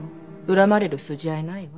恨まれる筋合いないわ。